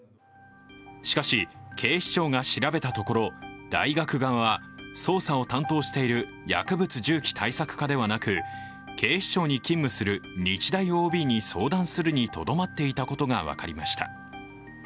しかし、警視庁が調べたところ大学側は捜査を担当している薬物銃器対策課ではなく警視庁に勤務する日大ＯＢに相談するにとどまっていたことが分かりました。